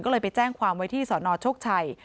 ก็เลยไปแจ้งความไว้ที่สนโชคชัย